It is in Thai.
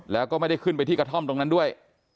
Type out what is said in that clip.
แล้วก็ไม่ได้ขึ้นไปที่กระท่อมตรงนั้นด้วย